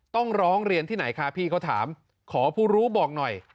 ต้องร้องเรียนที่ไหนคะพี่เขาถามขอผู้รู้บอกหน่อย